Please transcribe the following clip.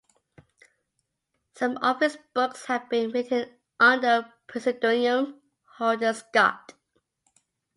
Some of his books have been written under the pseudonym Holden Scott.